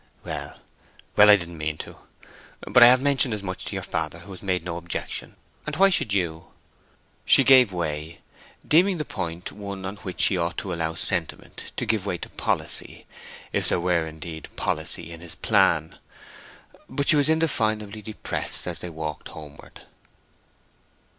"Well, well—I didn't mean to. But I have mentioned as much to your father, who has made no objection; and why should you?" She gave way, deeming the point one on which she ought to allow sentiment to give way to policy—if there were indeed policy in his plan. But she was indefinably depressed as they walked homeward.